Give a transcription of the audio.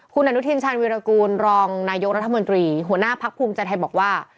คุณอนุทินชาญวิรากูลรองนายกรัฐมนตรีหัวหน้าพักภูมิใจไทยบอกว่า